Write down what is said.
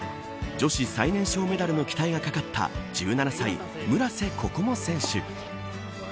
女子最年少メダルの期待が懸かった１７歳、村瀬心椛選手。